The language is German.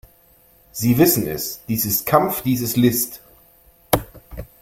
Sie wissen es; dies ist Kampf, dies ist List.